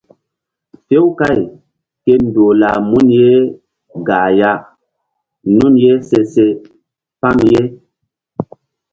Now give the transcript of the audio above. Few káy ke ndoh lah mun ye gah ya nun ye se se pam ye.